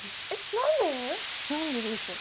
なんででしょう